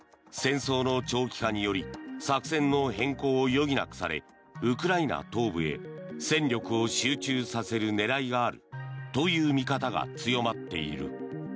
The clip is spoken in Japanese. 戦争の長期化により作戦の変更を余儀なくされウクライナ東部へ戦力を集中させる狙いがあるという見方が強まっている。